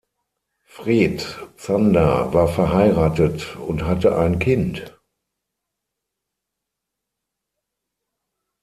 Fred Zander war verheiratet und hatte ein Kind.